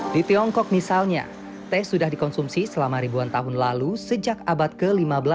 di tiongkok misalnya teh sudah dikonsumsi selama ribuan tahun lalu sejak abad ke lima belas